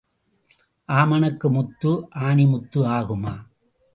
ஆமணக்கு முத்து ஆணி முத்து ஆகுமா?